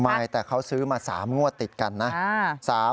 ไม่แต่เขาซื้อมา๓งวดติดกันนะ